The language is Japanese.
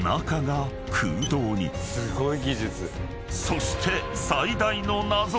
［そして最大の謎。